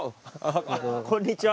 こんにちは。